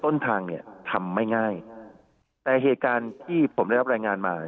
ต้นทางเนี่ยทำไม่ง่ายแต่เหตุการณ์ที่ผมได้รับรายงานมา